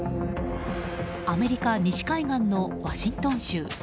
アメリカ西海岸のワシントン州。